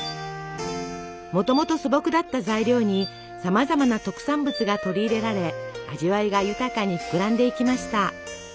もともと素朴だった材料にさまざまな特産物が取り入れられ味わいが豊かに膨らんでいきました。